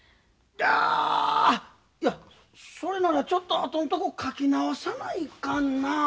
あいやそれならちょっと後のとこ書き直さないかんなあ。